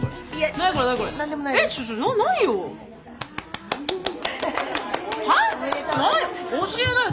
何教えなよ。